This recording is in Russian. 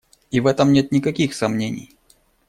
И в этом нет никаких сомнений.